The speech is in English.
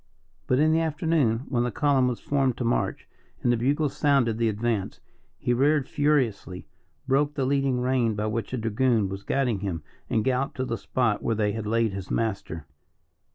But in the afternoon, when the column was formed to march, and the bugles sounded the advance, he reared furiously, broke the leading rein by which a dragoon was guiding him, and galloped to the spot where they had laid his master.